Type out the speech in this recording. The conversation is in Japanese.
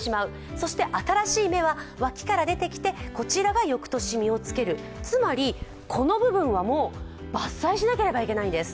そして新しい芽は脇から出てきて、こちらが翌年に実をつける、つまりこの部分は、伐採しなければならないんです。